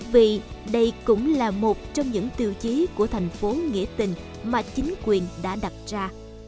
vì đây cũng là một trong những tiêu chí của tp hcm mà chính quyền đã đặt ra